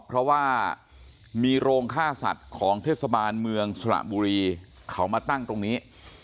เพราะว่ามีโรงฆ่าสัตว์ของเทศบาลเมืองสระบุรีเขามาตั้งตรงนี้